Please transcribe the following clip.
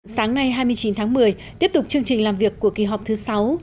sáng nay hai mươi chín tháng một mươi tiếp tục chương trình làm việc của kỳ họp thứ sáu